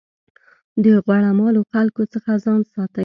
د غوړه مالو خلکو څخه ځان ساتئ.